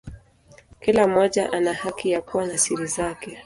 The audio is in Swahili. Kila mmoja ana haki ya kuwa na siri zake.